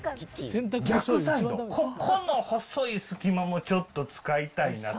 逆サイド、ここの細い隙間もちょっと使いたいなと。